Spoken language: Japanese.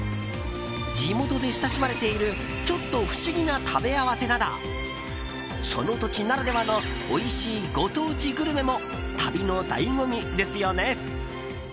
地元で親しまれているちょっと不思議な食べ合わせなどその土地ならではのおいしいご当地グルメも旅の醍醐味ですよね。